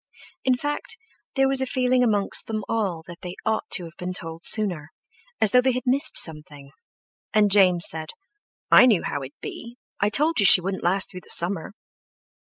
In fact, there was a feeling amongst them all that they ought to have been told sooner, as though they had missed something; and James said: "I knew how it'd be; I told you she wouldn't last through the summer."